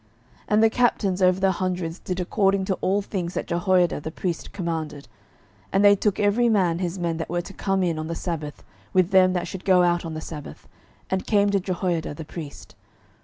12:011:009 And the captains over the hundreds did according to all things that Jehoiada the priest commanded: and they took every man his men that were to come in on the sabbath, with them that should go out on the sabbath, and came to Jehoiada the priest.